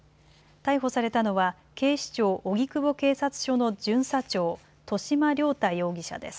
逮捕されたのは警視庁荻窪警察署の巡査長、戸嶋亮太容疑者です。